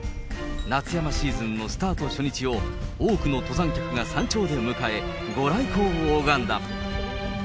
夏山シーズンのスタート初日を、多くの登山客が山頂で迎え、ご来光を拝んだ。